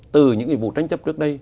từ những vụ tranh chấp trước đây